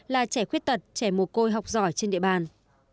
là trẻ khuyết tật trẻ mồ côi học giỏi trên địa bàn